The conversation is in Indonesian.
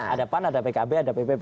ada pan ada pkb ada ppp